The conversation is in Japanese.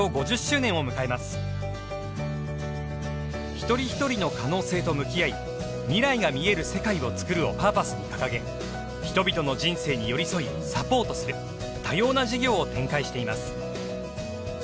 「一人ひとりの可能性と向き合い未来がみえる世界をつくる。」をパーパスに掲げ人々の人生に寄り添いサポートする多様な事業を展開しています。